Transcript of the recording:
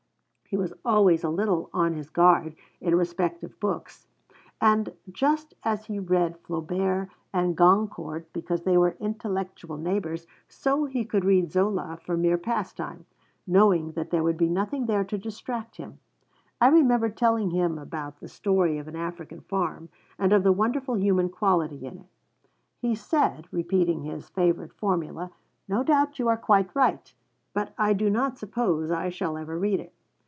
He was always a little on his guard in respect of books; and, just as he read Flaubert and Goncourt because they were intellectual neighbours, so he could read Zola for mere pastime, knowing that there would be nothing there to distract him. I remember telling him about The Story of an African Farm, and of the wonderful human quality in it. He said, repeating his favourite formula: 'No doubt you are quite right; but I do not suppose I shall ever read it.'